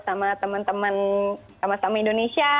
sama temen temen sama sama indonesia